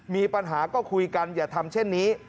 มีปัญหาก็คุยกันอย่าทำเช่นนี้